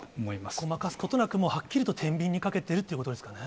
ごまかすことなく、はっきりとてんびんにかけてるっていうことですかね。